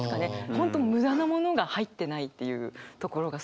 本当無駄なものが入ってないっていうところがすごいと思います。